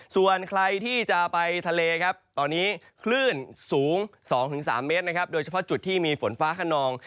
ส่วนใครที่จะไปทะเลครับตอนนี้คลื่นสูง๒๓เมตรนะครับโดยเฉพาะจุดที่มีฝนฟ้าขนอง